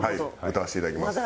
歌わせていただきます。